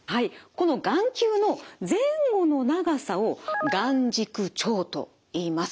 この眼球の前後の長さを眼軸長といいます。